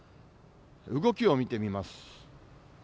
動きを見てみます。